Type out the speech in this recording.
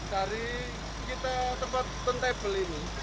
dari kita tempat pentable ini